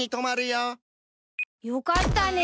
よかったね